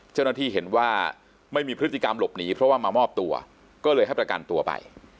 เจ้าหน้าที่เห็นว่าไม่มีพฤติกรรมหลบหนีเพราะว่ามามอบตัวก็เลยให้ประกันตัวไป